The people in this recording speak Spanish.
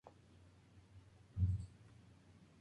No es indie pop, pero tampoco es rock alternativo.